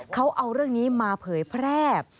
เขาเอาเรื่องนี้มาเผยแพร่